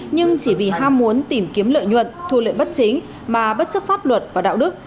nhưng chỉ vì ham muốn tìm kiếm lợi nhuận thu lợi bất chính mà bất chấp pháp luật và đạo đức